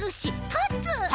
たつ！